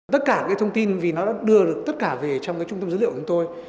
tất cả thông tin vì nó đã đưa được tất cả về trong trung tâm dữ liệu của chúng tôi